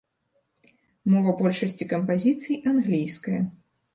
Мова большасці кампазіцый англійская.